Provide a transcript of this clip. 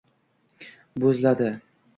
bo’zladi…